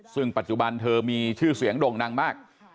ซึ่งปัจจุบันเธอมีชื่อเสียงด่งดังมาก